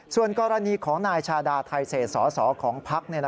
ส่วนกรณีของนายชาดาไทเศษสสของพัก